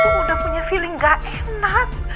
mama tuh udah punya feeling gak enak